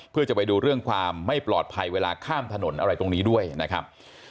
เพื่อจะไปดูเรื่องความไม่ปลอดภัยเวลาข้ามถนนอะไรตรงนี้ด้วยนะครับ